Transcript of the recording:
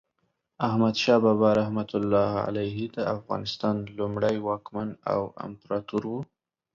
احمد شاه بابا رحمة الله علیه د افغانستان لومړی واکمن او امپراتور و.